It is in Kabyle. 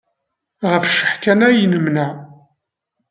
Ɣef cceḥ kan ay nemneɛ.